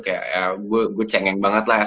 kayak gue cengeng banget lah